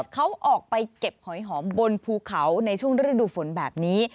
เขาออกไปเก็บหอยหอมบนภูเขาในช่วงฤดูฝนแบบนี้